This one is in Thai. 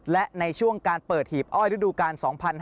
และในช่วงการเปิดหีบอ้อยฤดูกาล๒๕๕๙